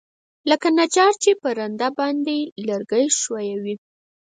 لکه نجار چې په رنده باندى لرګى ښويوي.